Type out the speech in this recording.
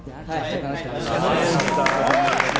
はい、楽しかったです。